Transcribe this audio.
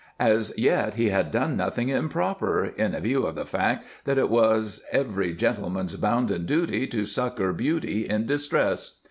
As yet he had done nothing improper, in view of the fact that it was every gentleman's bounden duty to succor beauty in distress.